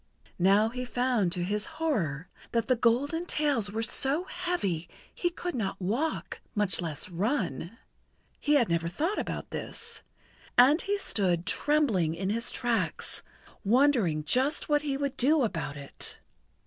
Now he found to his horror that his golden tails were so heavy he could not walk, much less run. He had never thought about this, and he stood trembling in his tracks, wondering just what he would do about it.